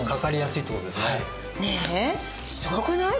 ねえすごくない？